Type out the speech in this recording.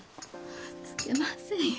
つけませんよ。